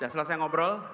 setelah saya ngobrol